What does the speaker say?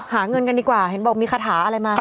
หาเงินกันดีกว่าเห็นบอกมีคาถาอะไรมา